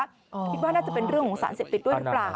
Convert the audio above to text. คิดว่าน่าจะเป็นเรื่องของสารเสพติดด้วยหรือเปล่า